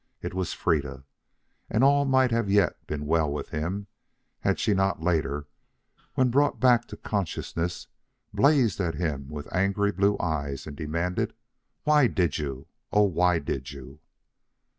It was Freda. And all might yet have been well with him, had she not, later, when brought back to consciousness, blazed at him with angry blue eyes and demanded: "Why did you? Oh, why did you?"